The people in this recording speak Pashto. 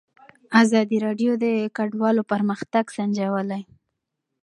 ازادي راډیو د کډوال پرمختګ سنجولی.